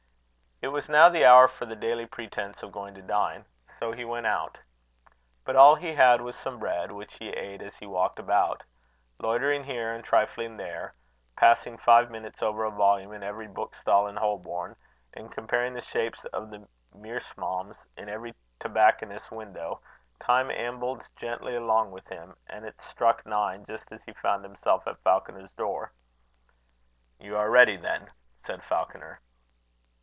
It was now the hour for the daily pretence of going to dine. So he went out. But all he had was some bread, which he ate as he walked about. Loitering here, and trifling there, passing five minutes over a volume on every bookstall in Holborn, and comparing the shapes of the meerschaums in every tobacconist's window, time ambled gently along with him; and it struck nine just as he found himself at Falconer's door. "You are ready, then?" said Falconer.